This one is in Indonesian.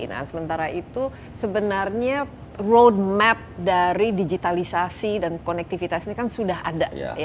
nah sementara itu sebenarnya roadmap dari digitalisasi dan konektivitas ini kan sudah ada